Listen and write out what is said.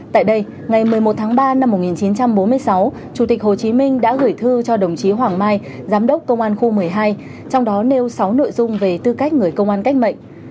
tại đây ngày một mươi một tháng ba năm một nghìn chín trăm bốn mươi sáu chủ tịch hồ chí minh đã gửi thư cho đồng chí hoàng mai giám đốc công an khu một mươi hai trong đó nêu sáu nội dung về tư cách người công an cách mệnh